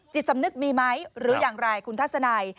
สำนึกมีไหมหรืออย่างไรคุณทัศนัย